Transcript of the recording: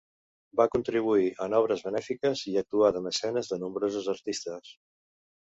Va contribuir en obres benèfiques i actuà de mecenes de nombrosos artistes.